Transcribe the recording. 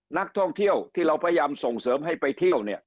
นักท่องเที่ยวที่เราพยายามส่งเสริมให้ไปเที่ยวเนี่ย